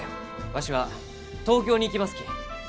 わしは東京に行きますき。